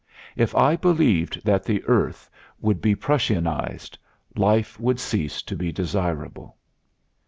If I believed that the earth would be Prussianized, life would cease to be desirable.